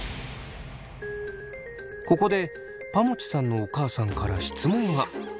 ここでぱもちさんのお母さんから質問が。